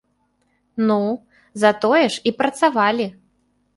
Ну, затое ж і працавалі!